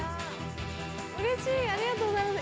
うれしい、ありがとうございます。